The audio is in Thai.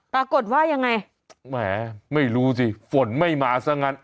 ปรากฏว่ายังไงแหมไม่รู้สิฝนไม่มาซะงั้น